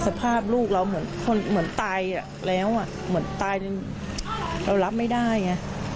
สภาพลูกเราเหมือนคนเหมือนตายแล้วอ่ะเหมือนตายจนเรารับไม่ได้ไง